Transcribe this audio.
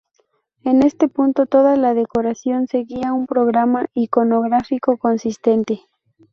En este punto, toda la decoración seguía un programa iconográfico consistente.